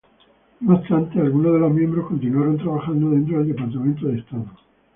No obstante, algunos de los miembros continuaron trabajando dentro del Departamento de Estado.